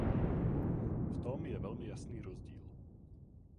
V tom je velmi jasný rozdíl.